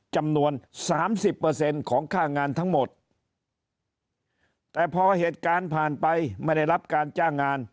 จำนวนสามสิบเปอร์เซ็นต์ของค่างานทั้งหมดแต่พอเหตุการณ์ผ่านไปไม่ได้รับการจ้างงาน